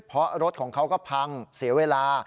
เพราะรถของเขาก็พังเสียเวลา